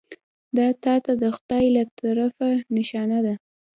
دا تا ته د خدای له طرفه نښانه ده .